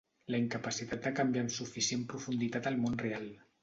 La incapacitat de canviar amb suficient profunditat el món real.